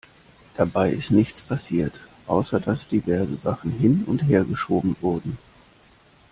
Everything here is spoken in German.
Dabei ist nichts passiert, außer dass diverse Sachen hin- und hergeschoben wurden.